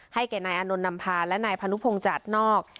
ให้แก่นายอนนมภาและนายพนุภงศ์จากนอก